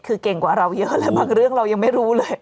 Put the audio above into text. คือเก่งกว่าเราเยอะเลยบางเรื่องเรายังไม่รู้เลย